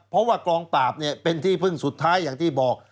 เพราะว่ากรองปราบเป็นที่ผิดสุดท้ายอย่างที่บอก